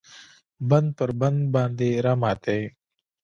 بند پر بند باندې راماتی